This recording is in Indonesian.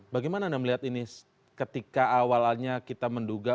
bagaimana anda melihat ini ketika awalnya kita menduga